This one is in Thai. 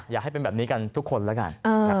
อยากให้เป็นแบบนี้กันทุกคนแล้วกัน